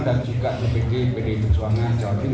dan juga ke pdi pdi perjuangan